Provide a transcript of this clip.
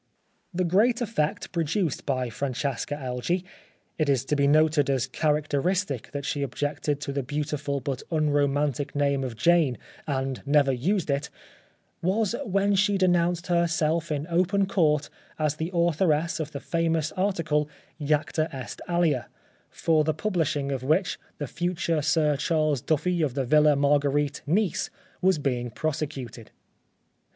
The great effect produced by Francesca Elgee 48 The Life of Oscar Wilde — it is to be noted as characteristic that she ob jected to the beautiful but unromantic name of Jane and never used it — was when she de nounced herself in open court as the authoress of the famous article " J acta est Alea," for the publishing of which the future Sir Charles Duffy of the Villa Marguerite, Nice, was being prosecuted.